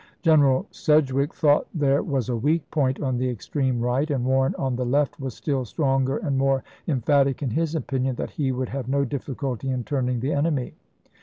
Greneral Sedgwick thought there was a weak point on the extreme right, and Warren, nov.3o,i863. on the left, was still stronger and more emphatic in his opinion that he would have no difficulty in turn ing the enemy.